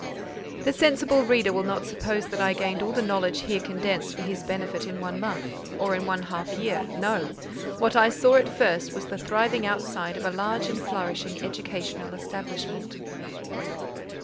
The sensible reader will not suppose that I gained all the knowledge here condensed for his benefit in one month, or in one half year. No! what I saw at first was the thriving outside of a large and flourishing educational establishment.